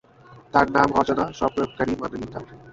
তার নাম অজানা, স্ব-প্রয়োগকারী মানিকার।